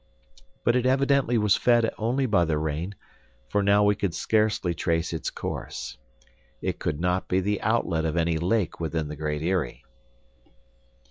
But it evidently was fed only by the rain, for now we could scarcely trace its course. It could not be the outlet of any lake within the Great Eyrie.